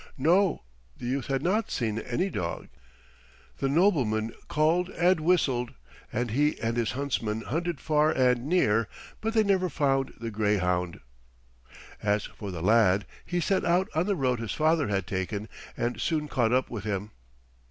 No, the youth had not seen any dog. The nobleman called and whistled, and he and his huntsman hunted far and near, but they never found the greyhound. As for the lad he set out on the road his father had taken and soon caught up with him.